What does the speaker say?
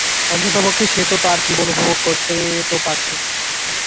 অন্তত পক্ষে সে তার জীবন উপভোগ করতে তো পারছে।